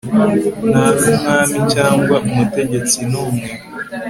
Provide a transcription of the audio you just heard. nta n'umwami cyangwa umutegetsi n'umwe